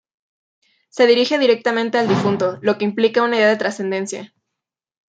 Se dirige directamente al difunto, lo que implica una idea de trascendencia.